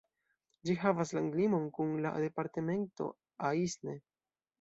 Ĝi havas landlimon kun la departemento Aisne.